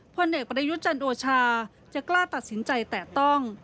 พลเอกประยุทธ์จันโอชาจะกล้าตัดสินใจแตะต้อง